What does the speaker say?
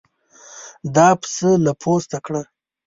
دا پسه له پوسته کړه.